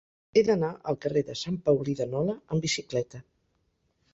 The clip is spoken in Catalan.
He d'anar al carrer de Sant Paulí de Nola amb bicicleta.